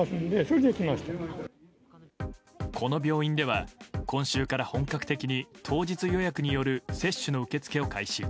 この病院では今週から本格的に当日予約による接種の受け付けを開始。